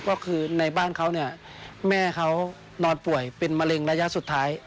ก็คือในบ้านเขาเนี่ยแม่เขานอนป่วยเป็นมะเร็งระยะสุดท้าย